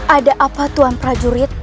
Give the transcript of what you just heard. ada apa tuan prajurit